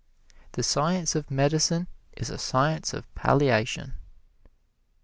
The science of medicine is a science of palliation.